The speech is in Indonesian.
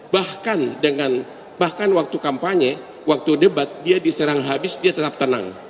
bahkan dengan bahkan waktu kampanye waktu debat dia diserang habis dia tetap tenang